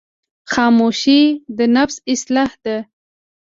خاموشي، د نفس اصلاح ده.